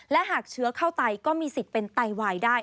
และหากเชื้อเข้าไตก็มีสิทธิ์เป็นไตวายได้